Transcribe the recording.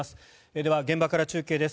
では現場から中継です。